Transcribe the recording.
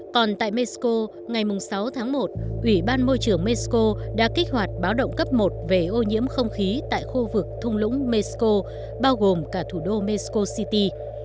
còn tại mexico ngày sáu tháng một ủy ban môi trường mexico đã kích hoạt báo động cấp một về ô nhiễm không khí tại khu vực thung lũng mexico bao gồm cả thủ đô mexico city